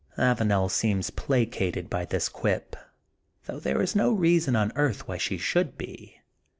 Avanel seems placated by this quip, though there is no reason on earth why she should be.